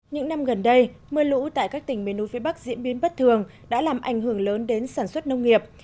những năm gần đây mưa lũ tại các tỉnh miền núi phía bắc diễn biến bất thường đã làm ảnh hưởng lớn đến sản xuất nông nghiệp